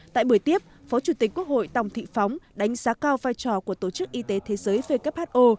tại buổi tiếp phó chủ tịch quốc hội tòng thị phóng đánh giá cao vai trò của tổ chức y tế thế giới who